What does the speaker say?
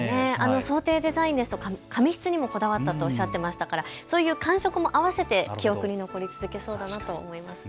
装丁デザインですとか紙質にもこだわったとおっしゃってましたからそういった感触も合わせて記憶に残り続けそうだなと思います。